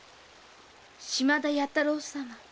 島田弥太郎様。